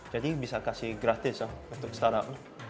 jadi bisa kasih gratis untuk startup